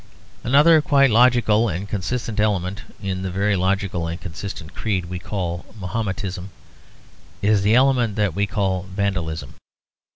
Another quite logical and consistent element, in the very logical and consistent creed we call Mahometanism, is the element that we call Vandalism.